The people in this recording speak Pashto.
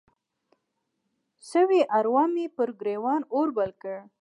سوي اروا مې پر ګریوان اور بل کړ